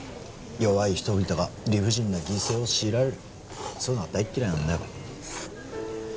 弱い人々が理不尽な犠牲を強いられるそういうのが大嫌いなんだよ